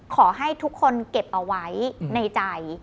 ขอให้ทุกคนเก็บเอาไว้ในใจ